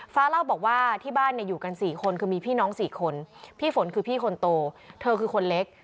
เล่าบอกว่าที่บ้านเนี่ยอยู่กัน๔คนคือมีพี่น้อง๔คนพี่ฝนคือพี่คนโตเธอคือคนเล็ก